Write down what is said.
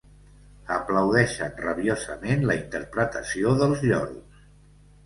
Aplaudeixen rabiosament la interpretació dels lloros.